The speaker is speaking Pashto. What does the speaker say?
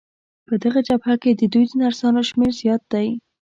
په دغه جبهه کې د دوی د نرسانو شمېر زیات دی.